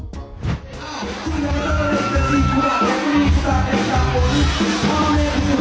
ทุกที่ว่าใช่ไหม